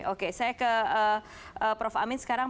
oke saya ke prof amin sekarang